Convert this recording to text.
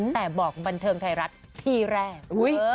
แต่บอกบันเทิงไทยรัฐที่แรก